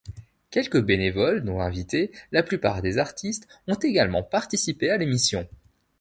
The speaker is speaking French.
Quelque bénévoles, dont invités, la plupart des artistes, ont également participé à l'émission.